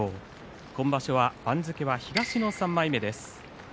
今場所の番付は東の３枚目です。